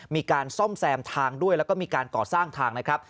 มีการซ่อมแซมทางด้วยแล้วก็มีการก่อสร้างทางนะครับ